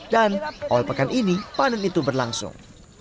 dan awal pekan ini panen itu berlangsung